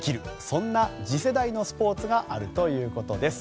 そんな次世代のスポーツがあるということです。